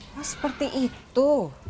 wah seperti itu